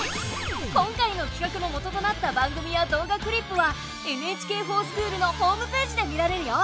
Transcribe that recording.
今回のきかくの元となった番組や動画クリップは「ＮＨＫｆｏｒＳｃｈｏｏｌ」のホームページで見られるよ。